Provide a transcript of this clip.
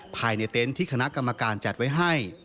ภายในเต็นต์ที่คณะกรรมการจัดไว้ให้